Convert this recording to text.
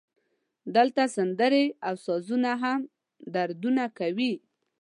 دلته سندرې او سازونه هم دردونه کوي